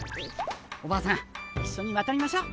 おばあさん一緒にわたりましょ。